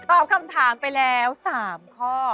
ตอบคำถามไปแล้ว๓ข้อ